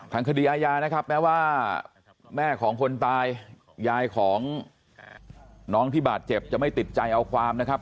ทางคดีอาญานะครับแม้ว่าแม่ของคนตายยายของน้องที่บาดเจ็บจะไม่ติดใจเอาความนะครับ